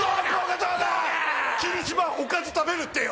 ⁉どうだ⁉桐島おかず食べるってよ！